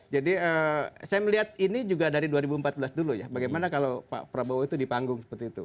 jadi saya melihat ini juga dari dua ribu empat belas dulu ya bagaimana kalau pak prabowo itu dipanggung seperti itu